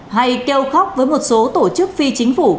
hay kêu khóc với một số tổ chức phi chiến